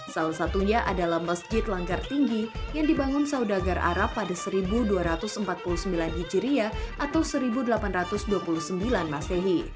salah satunya adalah masjid langgar tinggi yang dibangun saudagar arab pada seribu dua ratus empat puluh sembilan hijriah atau seribu delapan ratus dua puluh sembilan masehi